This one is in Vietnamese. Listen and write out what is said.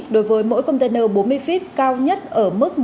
đối với mỗi container bốn mươi feet cao nhất ở mức một mươi bốn hai trăm năm mươi usd